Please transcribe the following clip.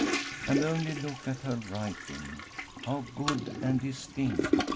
And only look at her writing — how good and distinct